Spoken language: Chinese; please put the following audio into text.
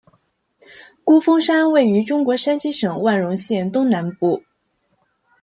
孤峰山位于中国山西省万荣县东南部。